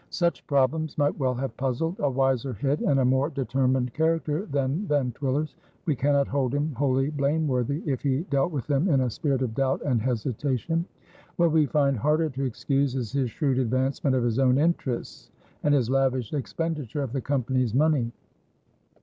Such problems might well have puzzled a wiser head and a more determined character than Van Twiller's. We cannot hold him wholly blameworthy if he dealt with them in a spirit of doubt and hesitation. What we find harder to excuse is his shrewd advancement of his own interests and his lavish expenditure of the Company's money.